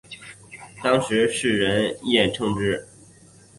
当时世人艳称之。